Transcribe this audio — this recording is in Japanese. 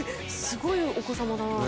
すごいお子様だなと。